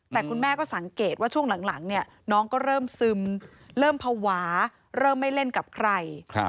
แต่คุณแม่ก็สังเกตว่าช่วงหลังเนี่ยน้องก็เริ่มซึมเริ่มภาวะเริ่มไม่เล่นกับใคร